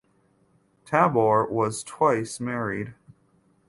Tabor was twice married.